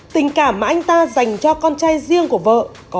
tình cảm mà anh ta dành cho con trai riêng của vợ có phần nhiều hơn